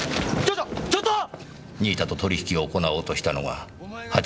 新井田と取引を行おうとしたのが８時。